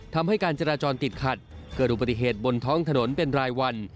ทำให้การจราจรติดขัดเกิดอุบัติเหตุบนท้องถนนเป็นรายวัน